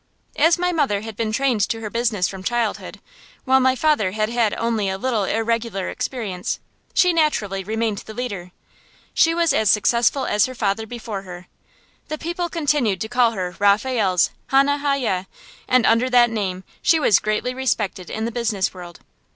As my mother had been trained to her business from childhood, while my father had had only a little irregular experience, she naturally remained the leader. She was as successful as her father before her. The people continued to call her Raphael's Hannah Hayye, and under that name she was greatly respected in the business world.